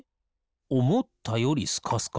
おもったよりスカスカ。